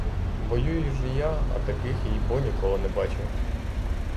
Воюю ж і я, а таких, їй-бо, ніколи не бачив.